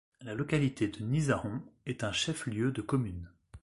La localité de Nizahon est un chef-lieu de commune.